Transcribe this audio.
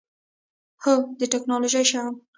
هو، د تکنالوژۍ شیان